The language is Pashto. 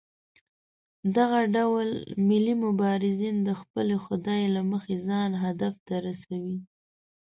دغه ډول ملي مبارزین د خپلې خودۍ له مخې ځان هدف ته رسوي.